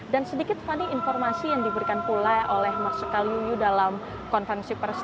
dan sedikit fanny informasi yang diberikan pula oleh marsikal yuyusutis dalam konfirmasi